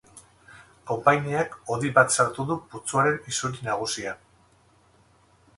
Konpainiak hodi bat sartu du putzuaren isuri nagusian.